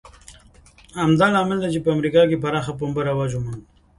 همدا لامل دی چې په امریکا کې په پراخه پینه رواج وموند